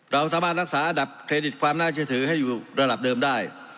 เราสามารถรักษาอันดับเครดิตความน่าเชื่อถือให้อยู่ระดับเดิมได้